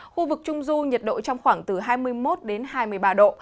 khu vực trung du nhiệt độ trong khoảng từ hai mươi một đến hai mươi ba độ